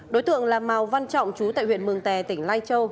đối tượng là màu văn trọng chú tại huyện mường tè tỉnh lai châu